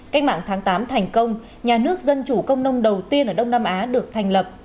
cách mạng tháng tám thành công nhà nước dân chủ công nông đầu tiên ở đông nam á được thành lập